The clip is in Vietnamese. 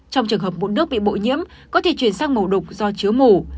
trong trường hợp mụn nước bị bội nhiễm có thể chuyển sang màu đục do chứa mù